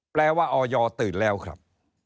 ว่าออยตื่นแล้วครับ